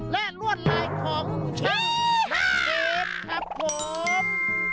และล้วนรายของทีพครับผม